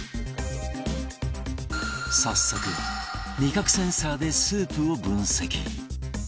早速味覚センサーでスープを分析